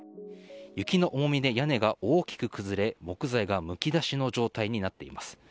雪の重みで屋根が大きく崩れ木材が剥き出しの状態になっています。